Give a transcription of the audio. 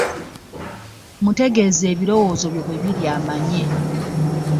Mutegeeze ebirowoozo byo bwe biri amanye.